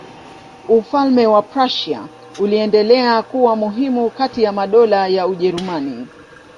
Ufalme wa Prussia uliendelea kuwa muhimu kati ya madola ya Ujerumani.